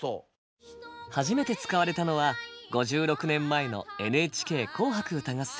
初めて使われたのは５６年前の「ＮＨＫ紅白歌合戦」。